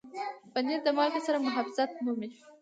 پنېر د مالګې سره محافظت مومي.